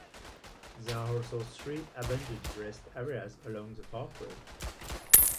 There are also three abandoned rest areas along the Parkway.